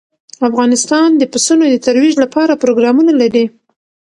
افغانستان د پسونو د ترویج لپاره پروګرامونه لري.